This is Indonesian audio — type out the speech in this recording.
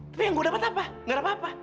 tapi yang gue dapat apa gak ada apa apa